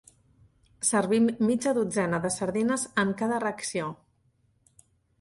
Servim mitja dotzena de sardines en cada racció.